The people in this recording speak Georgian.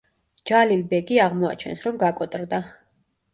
ჯალილ ბეგი აღმოაჩენს, რომ გაკოტრდა.